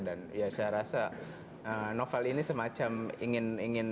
dan ya saya rasa novel ini semacam ingin